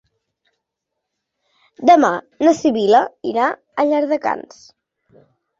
Demà na Sibil·la irà a Llardecans.